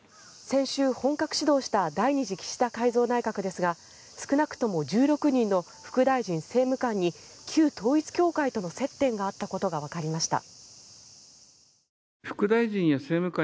先週、本格始動した第２次岸田改造内閣ですが少なくとも１６人の副大臣・政務官に旧統一教会との接点があったことがわかりました。